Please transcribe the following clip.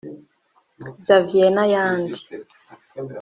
Zavier n’ayandi